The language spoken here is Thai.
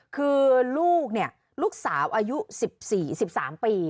คือลูกสาวอายุ๑๔๑๓ปี